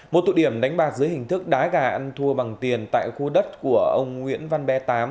một tụ điểm đánh bạc dưới hình thức đá gà ăn thua bằng tiền tại khu đất của ông nguyễn văn bé tám